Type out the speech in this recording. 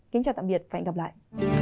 kính chào tạm biệt và hẹn gặp lại